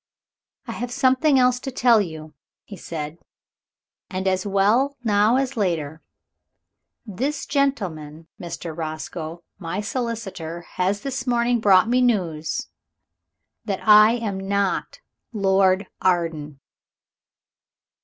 "I have something else to tell you," he said, "and as well now as later. This gentleman, Mr. Roscoe, my solicitor, has this morning brought me news that I am not Lord Arden!"